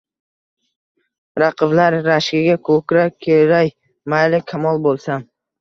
Raqiblar rashkiga ko’krak keray, mayli, kamol bo’lsam.